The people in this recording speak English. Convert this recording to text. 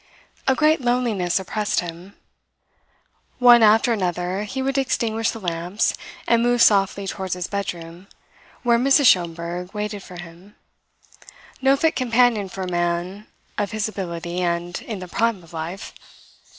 A great loneliness oppressed him. One after another he would extinguish the lamps, and move softly towards his bedroom, where Mrs. Schomberg waited for him no fit companion for a man of his ability and "in the prime of life."